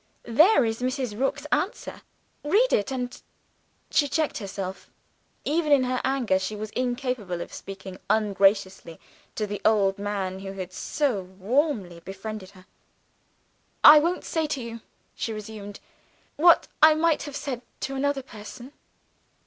"There is Mrs. Rook's answer. Read it, and " she checked herself, even in her anger she was incapable of speaking ungenerously to the old man who had so warmly befriended her. "I won't say to you," she resumed, "what I might have said to another person."